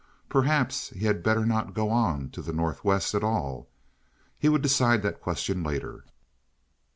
Perhaps he had better not go on to the Northwest at all; he would decide that question later.